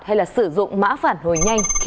hay là sử dụng mã phản hồi nhanh